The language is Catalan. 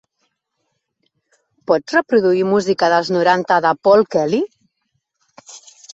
Pots reproduir música dels noranta de Paul Kelly?